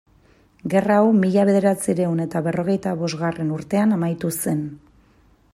Gerra hau mila bederatziehun eta berrogeita bosgarren urtean amaitu zen.